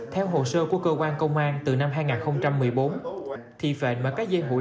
theo hồ sơ của cơ quan công an từ năm hai nghìn một mươi bốn thì phện mở các dây hụi